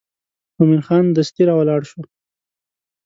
مومن خان دستي راولاړ شو.